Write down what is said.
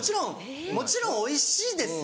もちろんおいしいですよ。